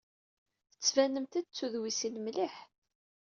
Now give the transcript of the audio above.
Tettbanemt-d d tudwisin mliḥ!